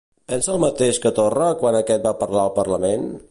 Pensa el mateix que Torra quan aquest va parlar al Parlament?